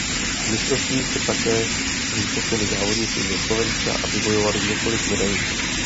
Mistrovství se také zúčastnili závodníci ze Slovenska a vybojovali několik medailí.